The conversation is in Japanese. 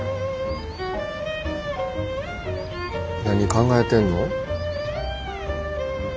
何考えてんの？